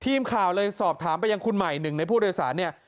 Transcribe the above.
ทีมข่าวเลยสอบถามไปยังคุณใหม่หนึ่งในผู้โดยสารเนี่ย